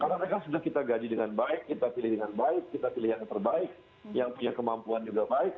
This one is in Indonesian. karena mereka sudah kita gaji dengan baik kita pilih dengan baik kita pilih yang terbaik yang punya kemampuan juga baik